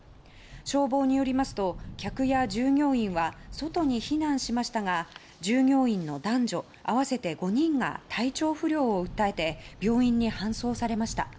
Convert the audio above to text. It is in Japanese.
消防によりますと客や従業員は外に避難しましたが従業員の男女合わせて５人が体調不良を訴えて病院に搬送されました。